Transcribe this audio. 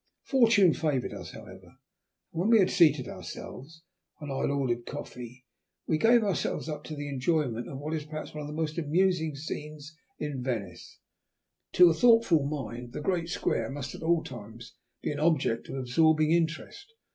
Fortune favoured us, however, and when we had seated ourselves and I had ordered coffee, we gave ourselves up to the enjoyment of what is perhaps one of the most amusing scenes in Venice. To a thoughtful mind the Great Square must at all times be an object of absorbing interest.